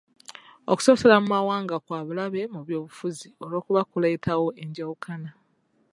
Okusosola mu mawanga kwa bulabe mu by'obufuzi olw'okuba kuleetawo enjawukana.